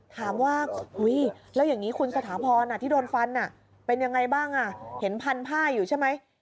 ถามว่าแล้วอย่างนี้คุณสถาพรที่โดนฟันเป็นยังไงบ้างเห็นพันผ้าอยู่ใช่ไหม